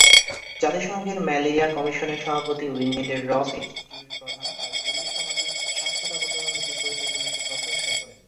জাতিসংঘের ম্যালেরিয়া কমিশনের সভাপতি ও ইংল্যান্ডের রস ইনস্টিটিউটের প্রধান তার পল্লী সমাজে স্বাস্থ্য ব্যবস্থা উন্নতির পরিকল্পনাকে প্রশংসা করেন।